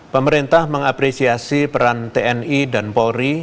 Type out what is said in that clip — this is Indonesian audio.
pemerintah mengapresiasi peran tni dan polri